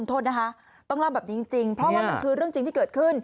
โทษนะคะต้องเล่าแบบนี้จริงเพราะว่ามันคือเรื่องจริงที่เกิดขึ้น